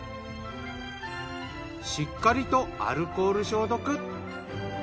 しっかりとアルコール消毒。